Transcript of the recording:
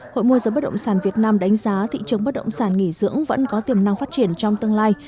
hội môi giới bất động sản việt nam đánh giá thị trường bất động sản nghỉ dưỡng vẫn có tiềm năng phát triển trong tương lai